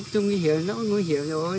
chúng nghĩ hiểu nó cũng nghĩ hiểu rồi